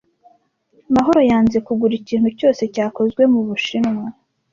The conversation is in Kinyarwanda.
Mahoro yanze kugura ikintu cyose cyakozwe mu Bushinwa.